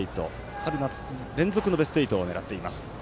春夏連続のベスト８を狙っています。